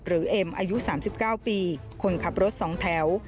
หรือเอมอายุ๓๙ปีคนขับรถสองแถว